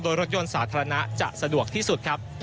โดยรถยนต์สาธารณะจะสะดวกที่สุดครับ